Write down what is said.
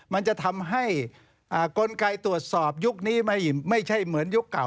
มันจะทำให้กลไกตรวจสอบยุคนี้ไม่ใช่เหมือนยุคเก่า